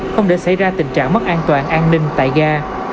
không để xảy ra tình trạng mất an toàn an ninh tại ga